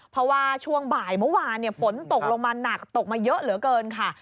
เพราะว่าช่วงบ่ายเมื่อวานฝนตกลงมาหนักตกมาเยอะเหลือเกินค่ะ